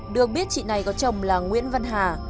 được biết chị này có chồng là nguyễn văn hà